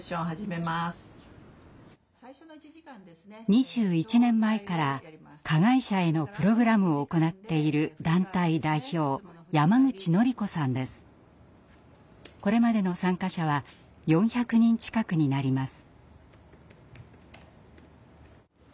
２１年前から加害者へのプログラムを行っているこれまでの参加者は４００人近くになります。